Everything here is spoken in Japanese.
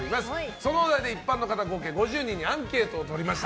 そのお題で一般の方計５０人にアンケートをとりました。